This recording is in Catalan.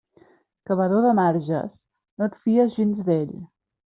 Cavador de marges, no et fies gens d'ell.